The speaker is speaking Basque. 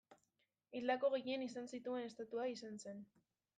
Hildako gehien izan zituen estatua izan zen.